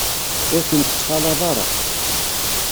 Ur tent-ttxalaḍ ara.